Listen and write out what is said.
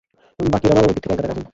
বাকিরা মা-বাবার দিক থেকে একগাদা কাজিন।